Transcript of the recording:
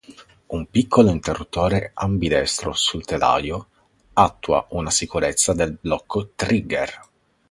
Un piccolo interruttore ambidestro sul telaio attua una sicurezza del blocco trigger.